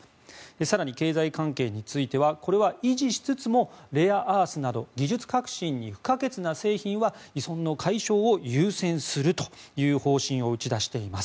更に、経済関係についてはこれは維持しつつもレアアースなど技術革新に不可欠な製品は依存の解消を優先するという方針を打ち出しています。